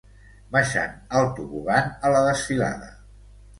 Baixant el tobogan a la desfilada.